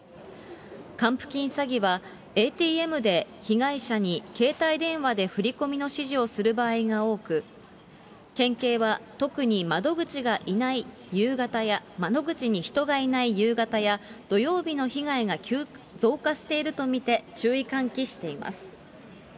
還付金詐欺は、ＡＴＭで被害者に携帯電話で振り込みの指示をする場合が多く、県警は特に窓口がいない夕方や、窓口に人がいない夕方や土曜日の被害が増加していると見て、注意喚起しています。